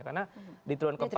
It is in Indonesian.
karena di triulang ke empat kemarin